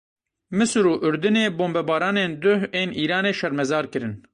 Misir û Urdinê bombebaranên duh ên Îranê şermezar kirin.